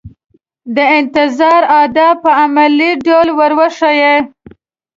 د انتظار آداب په عملي ډول ور وښيي.